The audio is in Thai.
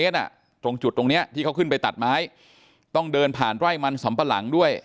ตรงจุดตรงเนี้ยที่เขาขึ้นไปตัดไม้ต้องเดินผ่านไร่มันสำปะหลังด้วย